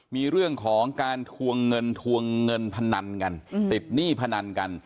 มีเรื่องของการทวงเงินทวงเงินพนันกันติดหนี้พนันกัน